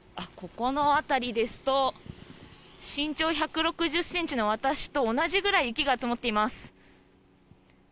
ここの辺りですと、身長１６０センチの私と同じぐらい、雪が積もっています。